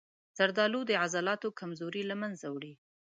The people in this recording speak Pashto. زردآلو د عضلاتو کمزوري له منځه وړي.